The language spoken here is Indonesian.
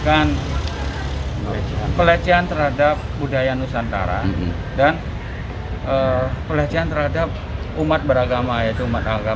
allah aku ingin melakukan apa apa